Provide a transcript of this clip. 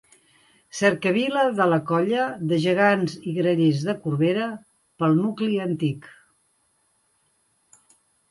Cercavila de la Colla de Gegants i Grallers de Corbera, pel nucli antic.